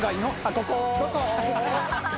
ここ！